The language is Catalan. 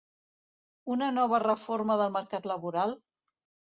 Una nova reforma del mercat laboral?